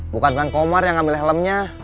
bukan kang komar yang ngambil helmnya